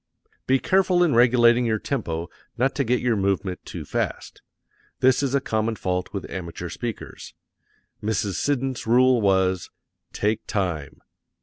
Be careful in regulating your tempo not to get your movement too fast. This is a common fault with amateur speakers. Mrs. Siddons rule was, "Take time."